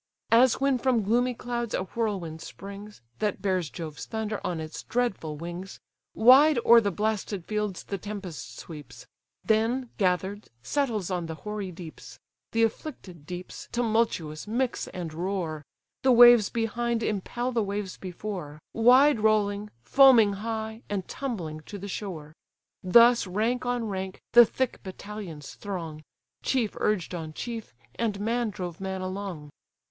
As when from gloomy clouds a whirlwind springs, That bears Jove's thunder on its dreadful wings, Wide o'er the blasted fields the tempest sweeps; Then, gather'd, settles on the hoary deeps; The afflicted deeps tumultuous mix and roar; The waves behind impel the waves before, Wide rolling, foaming high, and tumbling to the shore: Thus rank on rank, the thick battalions throng, Chief urged on chief, and man drove man along.